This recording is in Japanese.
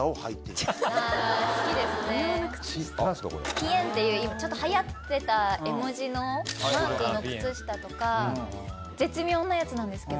ぴえんっていう流行ってた絵文字のマークの靴下とか絶妙なやつなんですけど。